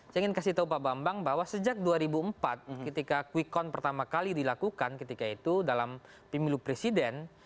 saya ingin kasih tahu pak bambang bahwa sejak dua ribu empat ketika quick count pertama kali dilakukan ketika itu dalam pemilu presiden